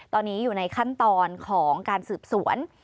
ตอนนี้อยู่ในขั้นตอนของการสืบสวน